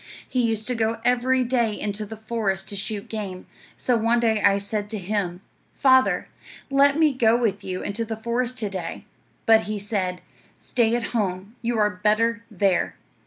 He used to go every day into the forest to shoot game; so one day I said to him, "Father, let me go with you into the forest to day;" but he said, "Stay at home. You are better there."